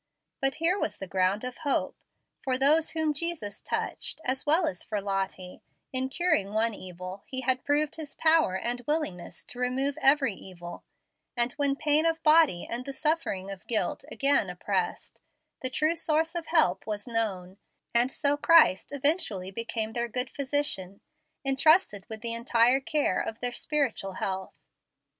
But here was the ground of hope for those whom Jesus touched, as well as for Lottie: in curing one evil, He had proved His power and willingness to remove every evil, and when pain of body and the suffering of guilt again oppressed, the true source of help was known, and so Christ eventually became their Good Physician, intrusted with the entire care of their spiritual health.